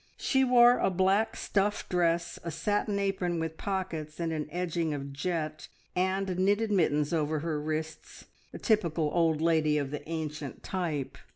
She wore a black stuff dress, a satin apron with pockets and an edging of jet, and knitted mittens over her wrists a typical old lady of the ancient type.